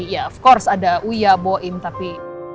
ya tentu saja ada uya boin tapi